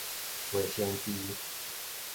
衛生箸